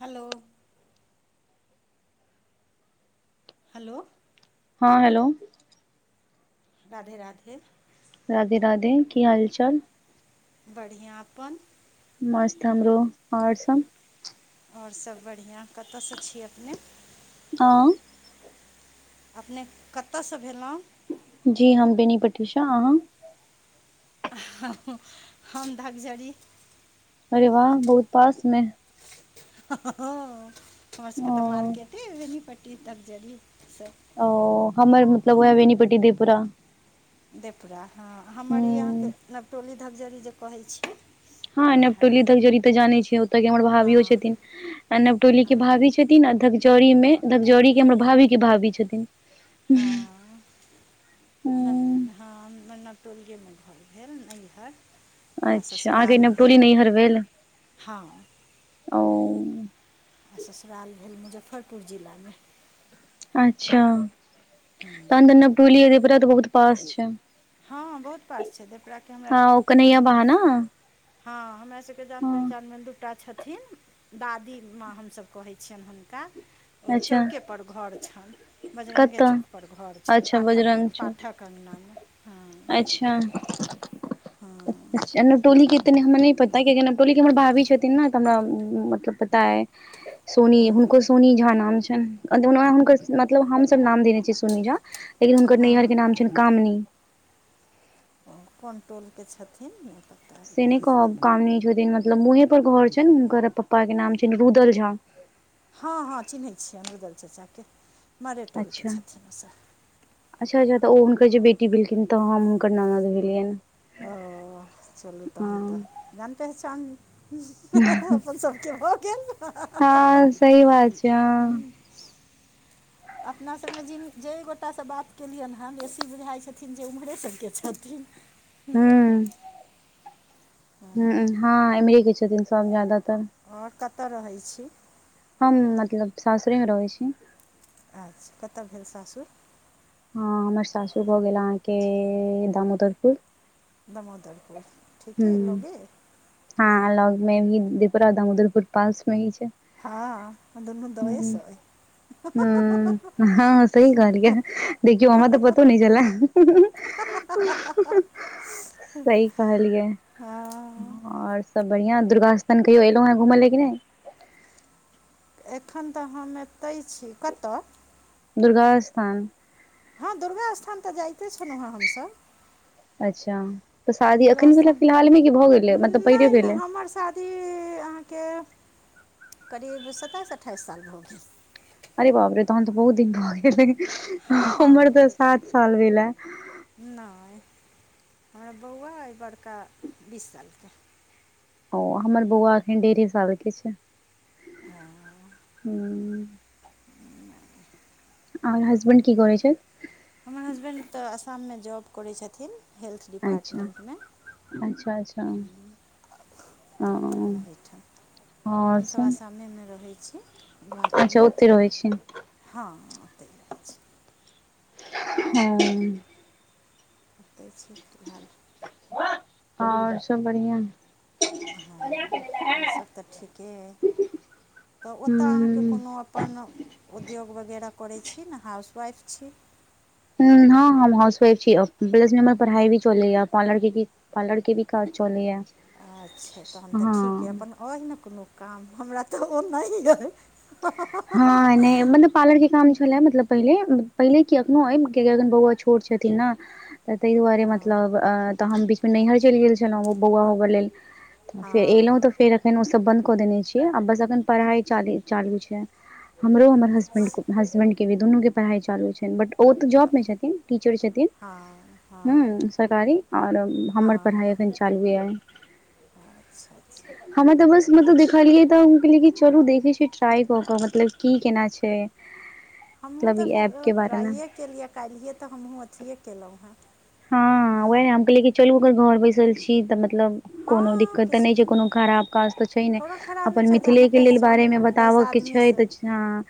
Hello hello हाँ hello Radhe Radhe Radhe Radhe की हाल चाल बढ़िआँ अपन मस्त हमरो ओर सब ओर सब बढ़िआँ कतयसँ छी अपने [unintelligible] अपने कतऽसँ भेलो जी हम बेनीपट्टी स अहाँ [unintelligible] हम धागझड़ी अरे वाह बहुत पास मे हमर सबके ओ तऽ मार्केटे बेनीपट्टी धगजड़ी ओ हमर मतलब वएह बेनीपट्टी दे पुरा देेपुरा हँ हमर ई अहाँके हूँ नवटोली धकझरी जे कहै छी हँ उएह नवटोली धकझड़ी तो जाने छी ओते के हमर भाभियो हँ छथिन नवटोली के हँ भाभी छै छथिन धकजड़ी मे धकजौड़ी के हमर भाभी के भाभी छथिन हँ नय हूँ [inaudible] हँ नवटोलिए मे घर भेल नैहर आ अच्छा अहाँ के ससुराल नवटोली भेल नैहर भेल हँ ओ अच्छा आ ससुराल भेल मुजफ्फरपुर जिलामे। अच्छा तहन तऽ नवटुलीया तऽ बहुत पास छैन हँ बहुत पास छै देेपराके हमरा। हँ ओ कन्हैया बहा न हँ हमरा सबके जान हँ पहचानमे दूटा छथिन। दादी माँ हमसभ कहै छियनि हुनका। ओ अच्छा चौकेपर घर छनि बजरङ्गे कतऽ चौकप घर छनि अच्छा पाठक बजरंग चौक पाठक। क्नामे हँ। अच्छा। हँ एनैा टोल के। तनी हमरा नहि पता कि नव टोली के हमर भाभी छथिन ने तऽ हमरा मतलब पता अय सोनी हँ हुनको सोनी झा नाम छनि हुनकर मतलब हमसभ नाम देने छियै सोनी झा। लेकिन हुनकर हँ नैहरके नाम छनि कामनी। कन्ट्रोलके छथिन निरप्ता। से नहि कहब काम नहि छथिन मतलब मुँहे पर घर छनि हुनकर पप्पा के नाम छनि रुदल झा। हँ हँ चिन्हैत छियै रूदल चचाके ह मारेटोलके अच्छा छथिन ओसभ। अच्छा अच्छा तऽ ओ हुनकर जे बेटी भेलखिन तऽ हम हुनकर ननद भेलियनि। ओ चलू तहन हँ तऽ जान पे ह छै अपन। के भऽ गेल। हँ सहि बात छै हँ। अपनासभमे ज जाहि गोटासँ बात केलियनि हेँ बेसी बुझाइत छथिन जे ओम्हरे सभके छथिन। ह हँ, ह हँ इमरे के छथिन सब जादातर। आओर कतय रहैत छी। हम मतलब सासुरेमे रहै छी। अच्छा कतऽ भेल सासुर। ह हमर सासू भऽ गेल अहाँके दामोदरपुर। दामोदरपुर ठीके हूँ लगे। अय हँ लग में भीपरादाम उदलपुर पास में ही छै। हँ अ दनू दबइ सै। ह हँ सेह कहलिक देखिय हमरा तऽ पतौ ने छलै सह कहलिकै। हँ आओर सब बढ़िआं दुर्गा स्थान कहियो एलहुँ हँ घूमय लए कि नहि। एखन तऽ हम एतै छी कतऽ। दुर्गा स्थान। हँ दुर्गा स्थान तऽ जाइते छलहुँं हँ हमसभ। अच्छा तऽ शादी दुर्गा एखन भेल स्थान फिलहालमे किी भऽ गेलै मतलब पहिले भेलै। ी अहाँके करीब सताइस अठाइस साल भऽ गेल। अरे बाप रे तहन तऽ बहुत दिन भऽ गेल हमर हँ तऽ सात साल भेलै। नहि हमरा बौआ अइ बड़का बीस सालके। ओ हमर बौआ एखन ढेर सारे छैय हँ। आर हासबैं्ड की कर छथि। हमर हसबैंड त आसाम मे जॉब करै छथिन हेल्थ अच्छा डिपार्टमेंटमे अच्छा अच्छा औ ओहिठाम हमसब आसामे में रहै छी गोहाटी अच्छा में ओते रहै छी हँउतै हँ। [inaudible] आओर सब ह बढ़िआ। हँ - आओर सब त ठीके अय त ओतअ अहाँ के हूँ कोनो अपन उद्योग वगैरह करै छी न हाउसवाइफ छी हूॅं हँ हम हाउस वाइफ छी अप बीएज हमर पढ़ाइ भी चलैय य अपन लड़की के अल्हर कि विकास चलैय अच्छा, तहन त ठीक अय अपन अहि ने कोनो काम? हमरा त ओ नैय अय [unintelligible] हँ नैय मनप पार्लर के काम छलैय मतलब पहिले, पहिले कि अखनो अय कि बौआ छोट छथिन न त तैय दुआरे हँ मतलब अ त हम बीचमे नैहर चइल गेल छलौं बौआ होबय लेल से एलौं हँ त फेर अखन ओ सब बंद क देने छी आ बस अखन पढ़ाय चाली चालु छै हमरो हमर हसबेंड अच्छा को हसबेंड के भी दुनू के पढ़ाई चालू छनि, बट ओ त जॉब में छथिन। टीचर छथिन। हँ हँ हूॅं, सरकारी आओर हमर हँ पढ़ाय अखैन चालुये य अच्छा अच्छा हमे त बस मतलब देखलियै त हम कहलियै कि चलू देखे छी ट्राई क क मतलब कि केना काज छै हमहूँ मतलब त ई ऐप फेर के बारेमे ट्राइये केलियै आ काल्हिये त हमहूँ अथिए केलौं हेँ हँ ओहे, हम कहलियै कि चलु ओकर घर बैसल छी त मतलब कोनो हँ दिक्कत त नै किछु छै कोनो खराब काज त छै नै कोनो खराब नहि अपन छै जानो मिथिलेके लेल पहचान बारेमे दस बताबअ के छै आदमीसँ त हाॅं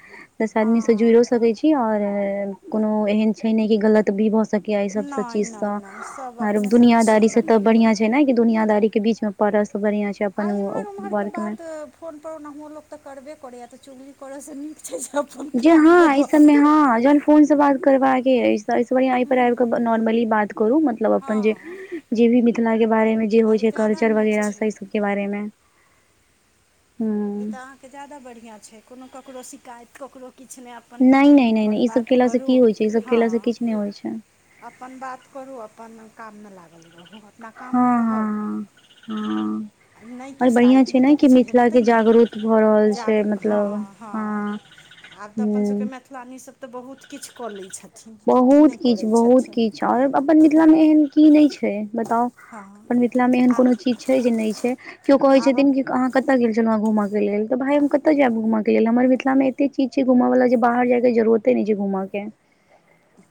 दस आदमी स जुइरो हँ सकैय छी कि हहरायल? कोनो एहन छै नै, कि गलत भी भ सकै य अय सभ स नहि चीज स, नहि नहि सभ आओर अपने सभ छी दुनियादारी तऽ स त नहि कोनो बढ़ियां छै न कि दुनियादारी के बीच मे पड़ सं बढ़ियाॅं छै अपन व वर्कमे फोन पर ओनाहुओ लोक त करबे करै य त चुगली करै स नीक छै सब जे हाॅं, इ सब में हाॅं, जहन फोन स बात करबाके अछि। त अय स बढ़िया अय पर आयब क हँ ग नोरमली बात करु। मतलब अपन जे, जे भी मिथिला के बारे में जे आ होय ई छै ज्यादा कल्चर नीक वगेरह छै तय सब के बारे में इ त अहाँके ज्यादा बढ़िआं छैय। कोनो ककरो शिकायत ककरो किछ नैय अपन, नहि नहि नहि नहि अपन ई सब बात केलासँ करु की होइ छै ई - सब केलासँ हँ किछु नहि होइ छै अपन बात करु, अपन काम मे लागल रहु त काम मे हँ रहब, हँ हँ नैय आओर किछ त बढ़िआँ आयडियो छै ने त कि किछ भेट मिथिलाके जागरूक भऽ रहल छै जागरुक - मतलब हॅं हॅं हँ - आब त अपन सब के हूँ मैथ मैथलानी सभ त बहुत किछ क लै छथिन। कि कि नैय करै छथिन? छाएब, अपन मिथिला मे एहन की नै छै बताउ, हँ अपन मिथिला मे एहन आ कोनो चीज छै जे नै छै। केओ कहै छथिन आब कि कहाॅं कत गेल छलौं घुमअ क लेल? त भाइ हम कतअ जायब घुमअ के लेल? हमर मिथिलामे एते चीज छै घूमअ बला जे बाहर जाय के जरुरते नै छै घुमअ के।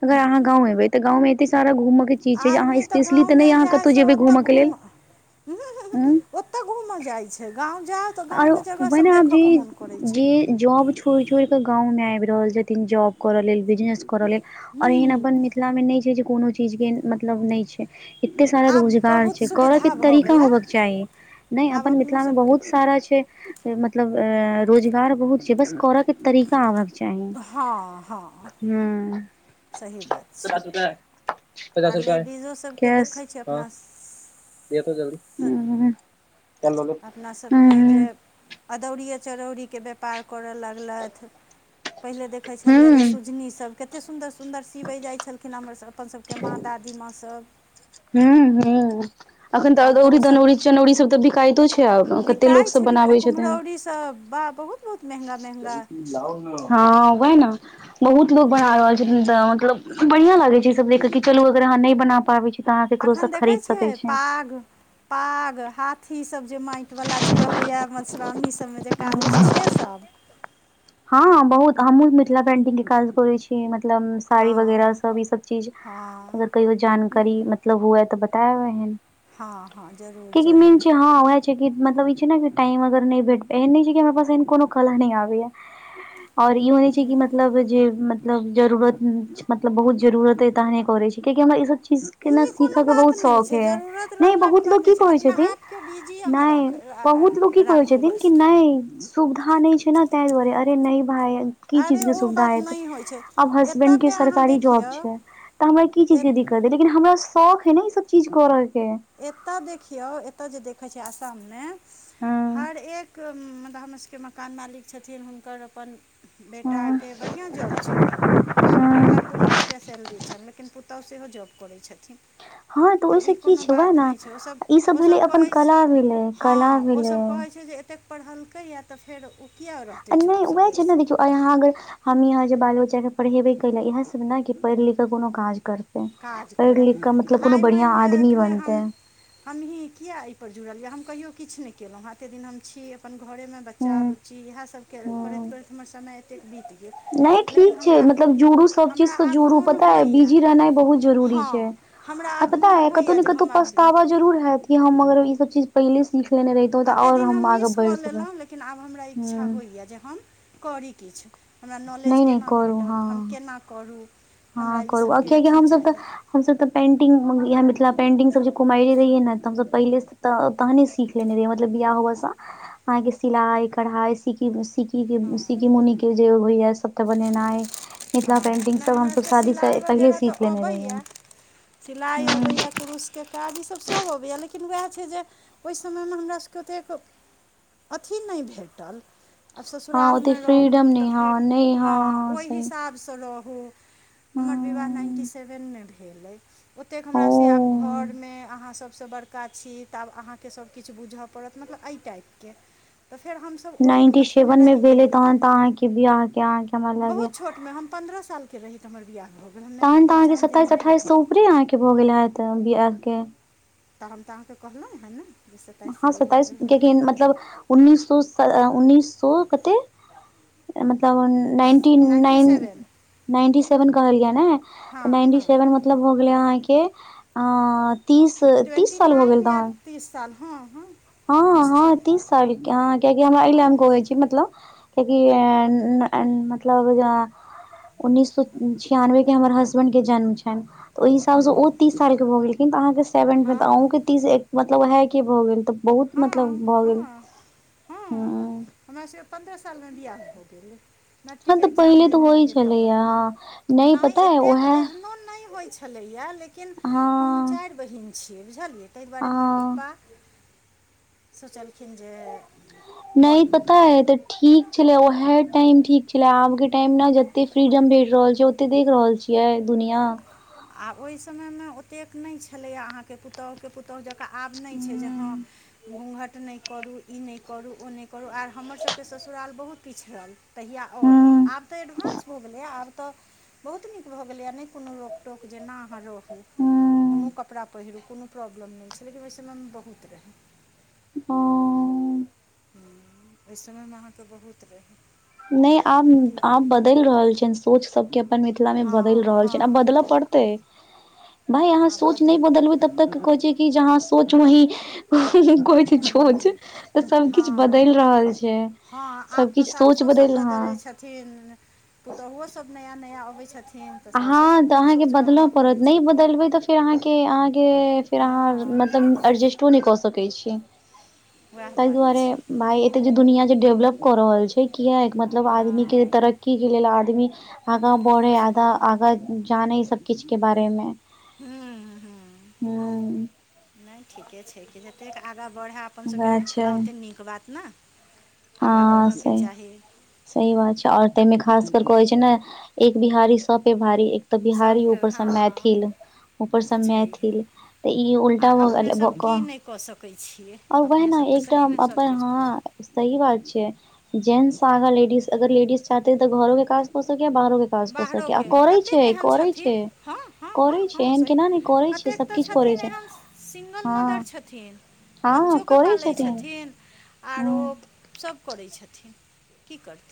अगर अहाँ गाँव अयबै, त गाॅंव मे एते सारा घुमअ के चीज छै जे अहाँ आदमी त स्पेशली गाँव तऽ मे नहि अहाँ जाय कतौ स जेबै ओतअ घूमऽ के लेल घुमअ - हूॅं हूॅं हूॅं उंम्म ओतअ घुमअ जाय छै गाँव जाउ त गाँव आरो के जगह सब ओहिना आब देखअ जे के मोन करै छै जे जॉब छोइर छोइर क गाँव मे आयब रहल छथिन जॉब करअ लेल, बिजनेस करअ लेल। आरु एहन हूँ अपन मिथिला मे नै छै जे कोनो चीज के, मतलब नै छै ऐते सारा आब रोजगार बहुत छैय, कोरअ के सुविधा भऽ तरीका गेलै होबअ के चाही। नैय आब अपन अपनो मिथिला में सबके बहुत सारा छैय, मतलब ए रोजगार बहुत छैय। बस कोरअ के तरीका आबअ के छैय। हँअ हँ [inaudible] सही बात पच छै पच पचास रुपया य, पच पचास आओर रुपया य लेडीजो - सबके कैश देखै छियै - हॅं अपना स, अपना सबमे जे [unintelligible] अदौड़िये चरौड़ीकेँ व्यापार करऽ लगलथि पहिले देखैत छलियै जे हूँ सुजनीसभ कतेक सुन्दर सुन्दर सिबैय जाइत छलखिन हमर अपन सभके माँ दादी माँ सभ हूं हूं अखन तऽ आब अदौरी ओ सब दनौरी चनौरी सब तऽ बिकायइतो छै आब कतेक लोक सभ बनाबे छथिन त बा बहुत बहुत महंगा महंगा हँ वैह न बहुत लोग बना हम्म, रहल छै मतलब बढ़िया लागे छै ई सभ देखके कि चलू अगर अहाँ नहि बना पाबै छी तऽ अहाँ केकरो ऑंखॉं से खरीद देखैत सकै छियै छी पाग पाग हाथी सभ जे माटि वला जे रहेया मधुश्रावणी सभ में जे काज होय छै से सभ हँ बहुत हमहुँ मिथिला पेंटिंग के काज करै छी मतलब साड़ी वगैरह हँ सभ ई सब चीज हँ अगर कहियो जानकारी मतलब हुए तऽ बतायब एहेन हँ हँ जरूर कियाकि मेन जरूर छै हँ ओएह छै कि मतलब ई छै न जे टाइम अगर नहि भेटतै एहन नहि छै कि हमरा पास एहन कोनो कला नहि आबेत य आओर ईहो नहि छै कि मतलब जे मतलब जरूरत मतलब बहुत जरूरत अय तहने करेय छि कियाकि हमरा ई सभ चीज के नऽ ई सीखा कोनो के बात बहुत नहि शौक छै अय जरूरत नहि रहलाके बहुत बात लोक नहि की छै कहै अपना छथिन- आपके बिजी अहाँ नहि राख रा- बहुत लोक की कहै राखू छथिन कि बस नहि सुविधा नहि छै न तहि दुआरे अरे नहि भाय की चीज अरे के ओ सुविधा बात हेते नहि होइ छै आब हसबेंड के एतयके अहाँ सरकारी जॉब देखियौ छै तऽ हमरा की चीज के एत दिक्कत लेकिन हमरा शौक अय न ई सभ चीज करऽ के एतऽ देखियौ एतऽ जे देखै छै असाममें हँ हर एक मतलब हमर सभके मकान मालिक छथिन हुनकर अपन हँ बेटाके बडी बढिया जॉब छैन लाख डेढ़ हँ लाख दू लाख रुपैआ सैलरी छनि लेकिन पुतहु सेहो जॉब करैत छथिन हँ तऽ ओहिसे ई की कोनो छै वैह बात नहि छै ओसभ ओसभ कहै भेलै छै हँ कला ओसभ भेलै कहै छै जे एतेक पढ़लकैएा तऽ फेर ओ किया रहतै नहि चुप से उएह छै ने बैसल देखियौ आइ अहाँ अगर हम अहाँ जे बाल बच्चा के पढ़ेबय कय लेल इह सभ ने कि पढ़ि लिख क कोनो काज करत काज करय पढ़ि लिख कऽ मतलब कोनो आइ बढ़ियां मानि लिअ आदमी एखने हम बनतै हमहीँ किए एहिपर जुड़लयए हम कहियो किछ नहि केलोह हँ एतेक दिन हम छी अपन घोरेमें बच्चा हूँ बुच्ची इएह सभ करैत हूँ करैत हमर समय एतेक बीत गेल नहि लेकिन ठीक छै हमरा मतलब जुड़ु सब चीज हमरा सँ आब जुड़ु मोन पता अय होइए बीजी रहनाइ बहुत जरूरी छै हँ हमरा आ आब पता मोन अय कतौ होइए ने जे कतौ हम आब पचतावा जरूर हैत कि हम अगर ईसभ चीज पहिले सीख लेने रहितौँ तऽ एतेक आओर दिन हम आगे मिस कऽ बढ़ि सकैत लेलहुँ लेकिन आब हमरा इच्छा हूँ होइए जे हम कोरी किछ हमरा नॉलेज नहि नहि केना करू भेटत हम हँ केना कौरू हँ करू आब कियकि हम सभब तऽ हमसभ त पेंटिंग इहै मिथिला पेंटिंग सभ जे कुमारै रहियै ने तऽ हमसभ पहिले तऽ तहने सीख लेने रहिए मतलब बियाह होवा सँ अहाँ के सिलाई कढ़ाई सीख सि सिक्कि मुनि के जे होइय सबटा बनेनाइ मिथिला पेंटिंग [inaudible] सब हमरा हमसभ के शादीसँ सिलाइ पहिले वगैरह तऽ सीख लेने रहियै अबैयया- सिलाइ अबैय हँ य के काज ईसभ सभ अबैए लेकिन उएह छै जे ओइ समयमे हमरासभके ओतेक अथी नय भेटल आ हँ ओते ससुरालमे फ्रीडम रहू तऽ नहि फेर हँ नहि हँ ओहि सही हिसाब सँ रहू हमर विवाह नाइन्टी हँ सेवन मे भेल अय ओतेक ओ हमरासे आब घरमे अहाँ सभसँ बड़का छी तऽ आब अहाँके सभ किछ बुझऽ पड़त मतलब एहि टाइपके तऽ फेर हमसभ ओहि नाइन्टी अथी मे सेवन रहि भेलै गेलियै तहन तऽ अहाँके बियाहके अहाँके हमरा लागैये बहुत छोट छोटमें हम पन्द्रह सालके रही तऽ हमर बिआाह भऽ गेल हम मैट्रिक एक्जाम देनेहि रही उपरे आहके भऽ गेल है त बियाह के तऽ हम तऽ अहाँके कहलहुँं हँ ने जे सत्ताइस हँ साल हो गेल हमरा सताइसके विवाह मतलब उन्नीस सौ उन्नीस सौ कते उ मतलब ninety ninety nine seven ninety seven कहलिया ने हँ नाइंटी हँ सेवन मत मतलब भ गेले अहाँके अ तीस तीस ट्वेन्टी साल भ नाइन गेल या तहन तीस साल हँ हँ हँ निश्चित हँ तीस सालके ह कियकि हमरा अइले हँ हम कहै छी मतलब कियकि अ न न मतलब उन्नीस सए छियानबे के हमर हसबैंड के जन्म छैन तऽ ओहि हिसाबसँ ओ हँ तीस सालके भऽ गेलखिन तऽ अहाँके सेवन्थ तऽ हँ अहूँके तीस एक मतलब ओएहके भऽ गेल तऽ बहुत मतलब हँ भऽ गेल हँ हँ ह हमरा सबके पन्द्रह साल मे बियाह भो गेले मैट्रिक हँ तऽ एग्जाम पहिले तऽ देने होइ रहियै तहन छलैया हँ नहि नय पता अइ एतेक उएह एहनो नय होइ छलैय लेकिन हम हँ चारि बहिन छियै बुझलियै ताहि दुआरे हमर हँ पापा सोचलखिन जे कऽ नय ली पता ह त ठीक छले उहे टाइम ठीक छले आब के टाइम ने जतै फ्रीडम भेट रहल छै ओते देख रहल छी यै दुनिआँ आ ओहि समयमे ओतेक नय छलैए अहाँके पुत पुतहुके पुतहु जकाँ आब नय छै जे हँ हूँ घूँघट नय करू ई नय करू ओ नय करू आर हमरसभके ससुराल बहुत पिछड़ल तहिया ओर हूँ आब तऽ एडवान्स भऽ गेलैए आब तऽ बहुत नीक भऽ गेलैए नय कोनो रोक टोक जेना अहाँ रहू कोनो हूँ कपड़ा पहिरू कोनो प्रॉब्लम नइ छै लेकिन ओहि समयमे बहुत रही [unintelligible] ओइ समय मे अहाँके बहुत रहै नय आर आब की कहू आब बदलि रहल छियनि सोच सभके अपन मिथिलामे बदलि हँ रहल छनि आब बदलय हँ पड़त तय भाय आहां आब सोच नइ बदलि बदलबे त तक कोहइछे कि जहाँ सोच वही इ छोच हम्म, तऽ सब किछ हँ बदल रहल छै सब किछ पो सभ बदलै छथिन पुतोहुओसभ नया नया अबै छथिन तऽ ह साउसो हाँ तऽ सबके अहाँके सोच बदलय बदलऽ पड़त पड़ै छै नय बदलबै तऽ फेर अहाँके अहाँके फेर अहाँ हँ मतलब एडजेस्टो नय कऽ सकैत छी वएह ताहि बात दुआरे छै भाय जे दुनिया जे डेवलप कऽ रहल छै किएक मतलब आदमी के हँ तरक्की के लेल आदमी आगाँ बढ़े आगा आगा जाने सब किछु के बारे मे हूँ हूँ नय ठीके छै कि जतेक आगाँ बढ़य अपनसभके वएह छै मिथिला ओतेक नीक बात ने आगाँ हँ बढ़ऽके सही चाही सही बात छै और ताहिमे खास कर कहै छै ने एक बिहारी सबपे भारी तऽ बिहारी सबके ऊपर हँ सब मैथिल ओ ऊपर तऽ सब छैहे मैथिल तऽ ई उल्टा आर भऽ अपने गेल भऽ सब की कऽ नहि कऽ सकै छियै ओर वएह अपने ने सब तऽ एकटाम सहीमे सब अपन चीज कऽ सकै हँ सहि बात छै जेेंट्स आगा लेडीज अगर लेडीज चाहतै तऽ घरो के काज क सकैया बाहर मे बाहरोके कतेक एहन छथिन हँ हँ हँ करै छै हँ एहन सही केना नै करै छै कतेक ऐत सबकिछ करै छथिन छै एहन सिंगल हँ मदर छथिन हँ बच्चो केँ करै पालैत छथिन आरो हूँ सभ करैत छथिन की करथिन